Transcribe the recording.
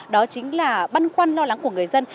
đó chính là băn khoăn lo lắng của người dân